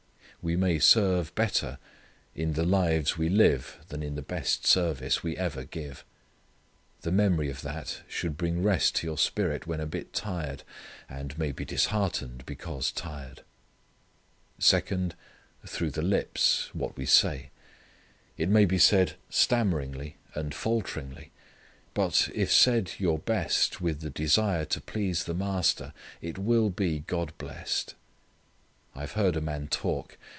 We may serve better in the lives we live than in the best service we ever give. The memory of that should bring rest to your spirit when a bit tired, and may be disheartened because tired. Second: through the lips, what we say. It may be said stammeringly and falteringly. But if said your best with the desire to please the Master it will be God blest. I have heard a man talk.